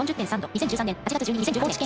２０１３年８月１２日高知県。